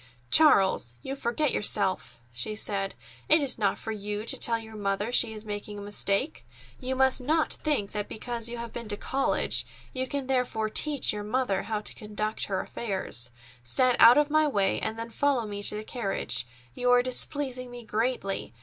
"Charles, you forget yourself!" she said. "It is not for you to tell your mother she is making a mistake. You must not think that because you have been to college you can therefore teach your mother how to conduct her affairs. Stand out of my way, and then follow me to the carriage. You are displeasing me greatly.